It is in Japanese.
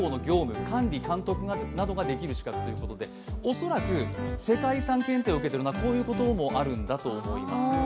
恐らく世界遺産検定を受けているというのは、こういうこともあるんだと思います。